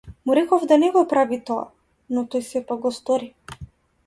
Му реков да не го прави тоа, но тој сепак го стори.